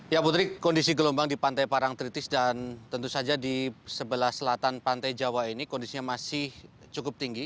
ya putri kondisi gelombang di pantai parang tritis dan tentu saja di sebelah selatan pantai jawa ini kondisinya masih cukup tinggi